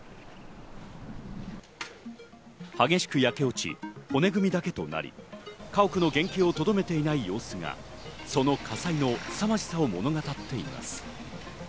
激しく焼け落ち骨組みだけとなり、家屋の原型をとどめていない様子がその火災のすさまじさを物語っています。